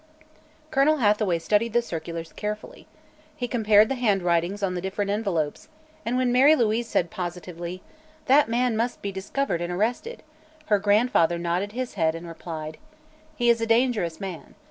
Colonel Hathaway studied the circulars carefully. He compared the handwritings on the different envelopes, and when Mary Louise said positively: "That man must be discovered and arrested!" her grandfather nodded his head and replied: "He is a dangerous man.